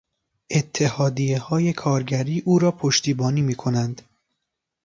اتحادیههای کارگری او را پشتیبانی میکنند.